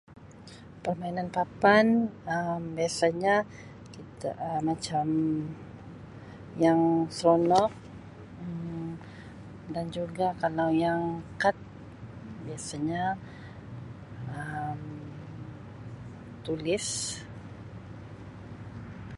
Permainan papan Um biasanya kita Um macam yang seronok Um dan juga kalau yang kad biasanya Um tulis.